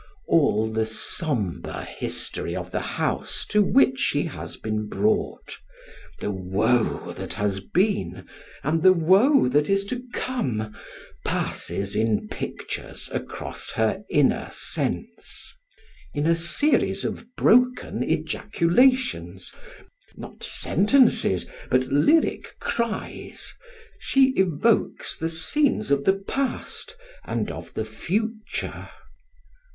All the sombre history of the House to which she has been brought, the woe that has been and the woe that is to come, passes in pictures across her inner sense. In a series of broken ejaculations, not sentences but lyric cries, she evokes the scenes of the past and of the future.